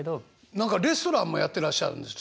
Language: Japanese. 何かレストランもやってらっしゃるんですよね？